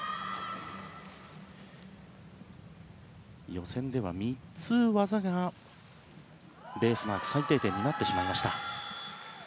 予選では３つ技がベースマーク最低点になってしまいました。